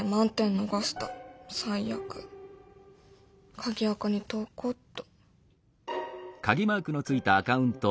鍵アカに投稿っと。